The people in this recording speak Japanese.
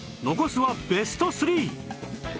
残すはベスト ３！